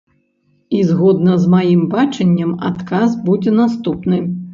І, згодна з маім бачаннем, адказ будзе наступны.